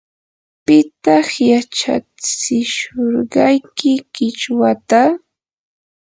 ¿pitaq yachatsishurqayki qichwata?